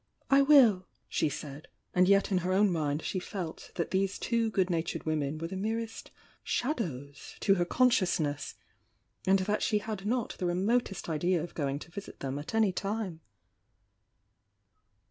"I will!" she said, and yet in her own mind she felt that these two good natured women were the merest shadows to her consciousness, and that she had not the remotest idea of going to visit them at any time.